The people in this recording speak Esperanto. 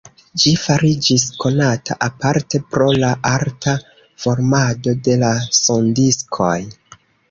Ĝi fariĝis konata aparte pro la arta formado de la sondiskoj.